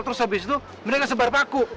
terus habis itu mereka sebar paku